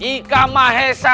baik aku sangat setuju sekali